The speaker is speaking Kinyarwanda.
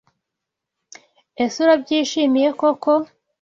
Ese Urabyishimiye koko?